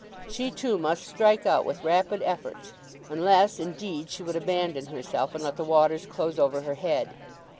She too must strike out with rapid efforts, unless, indeed, she would abandon herself and let the waters close over her head.